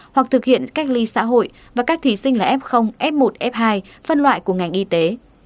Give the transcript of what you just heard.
hoặc thực hiện cách ly xã hội và các thí sinh là f f một f hai phân loại của ngành y tế